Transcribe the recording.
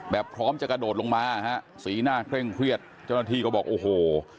พร้อมจะกระโดดลงมาฮะสีหน้าเคร่งเครียดเจ้าหน้าที่ก็บอกโอ้โห